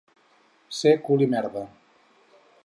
Ser cul i merda.